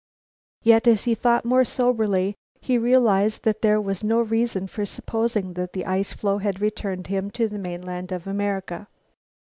Yet, as he thought more soberly, he realized that there was really no reason for supposing that the ice floe had returned him to the mainland of America.